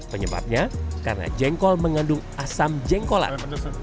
penyebabnya karena jengkol mengandung asam jengkolan